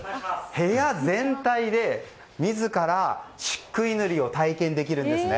部屋全体で自ら漆喰塗りを体験できるんですね。